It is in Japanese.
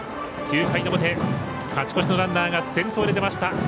９回の表、勝ち越しのランナーが先頭で出ました。